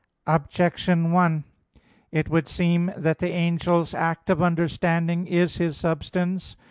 Objection 1: It would seem that the angel's act of understanding is his substance.